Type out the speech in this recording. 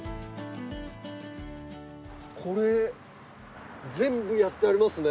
これ全部やってありますね。